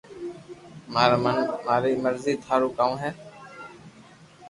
مارو من ماري مرزي ٿارو ڪاو جي